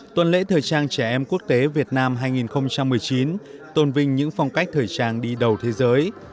tuần lễ thời trang trẻ em quốc tế việt nam hai nghìn một mươi chín tôn vinh những phong cách thời trang đi đầu thế giới